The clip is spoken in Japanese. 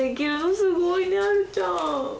すごいねあるちゃん。